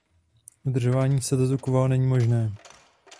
Udržování statutu quo není možné.